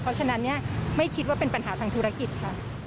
เพราะฉะนั้นเนี่ยไม่คิดว่าเป็นปัญหาทางธุรกิจค่ะ